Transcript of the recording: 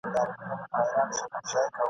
ښځي هم شیریني ورکړله محکمه ..